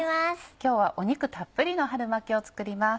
今日は肉たっぷりの春巻きを作ります。